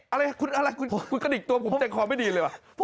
อะไรคุณก็หนีไปตัวผมเตียงคอยไม่ดีเลย